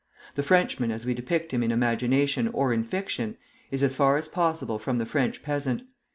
The Frenchman, as we depict him in imagination or in fiction, is as far as possible from the French peasant.